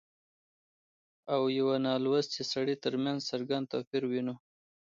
او يوه نالوستي سړي ترمنځ څرګند توپير وينو